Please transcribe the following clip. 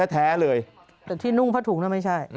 แท้เลยแต่ที่นุ่งผ้าถุงนั้นไม่ใช่